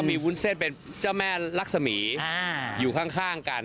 มีวุ้นเส้นเป็นเจ้าแม่ลักษมีอยู่ข้างกัน